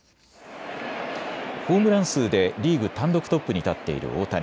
ホームラン数でリーグ単独トップに立っている大谷。